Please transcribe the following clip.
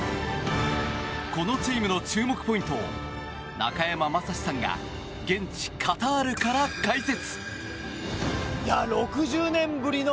このチームの注目ポイントを中山雅史さんが現地カタールから解説。